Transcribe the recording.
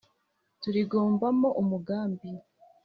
Turigombamo umugambi